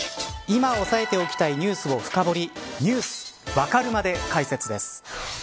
今押さえておきたいニュースを深掘りニュースわかるまで解説です。